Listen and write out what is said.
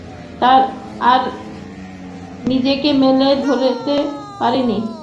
তিনি আর নিজেকে মেলে ধরতে পারেননি।